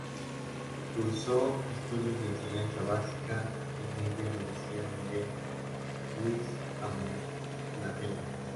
Cursó estudios de enseñanza básica y media en el Liceo Miguel Luis Amunátegui.